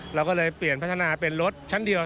เราก็เลยเปลี่ยนพัฒนาเป็นรถชั้นเดียว